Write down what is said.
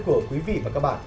của quý vị và các bạn